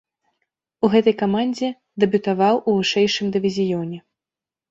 У гэтай камандзе дэбютаваў у вышэйшым дывізіёне.